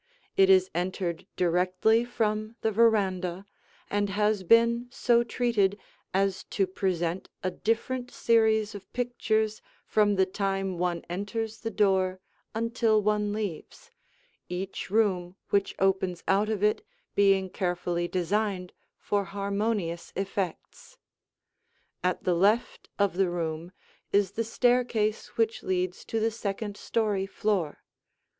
It is entered directly from the veranda and has been so treated as to present a different series of pictures from the time one enters the door until one leaves, each room which opens out of it being carefully designed for harmonious effects. [Illustration: The Alcove in the Living Room] At the left of the room is the staircase which leads to the second story floor.